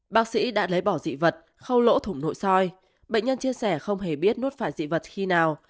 bác sĩ đã lấy bỏ dị vật khâu lỗ thủng nội soi bệnh nhân chia sẻ không hề biết nuốt phải dị vật khi nào